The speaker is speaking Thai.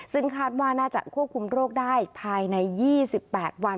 ซึ่งคาดว่าน่าจะควบคุมโรคได้ภายใน๒๘วัน